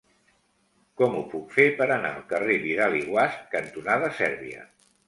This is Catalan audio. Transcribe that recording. Com ho puc fer per anar al carrer Vidal i Guasch cantonada Sèrbia?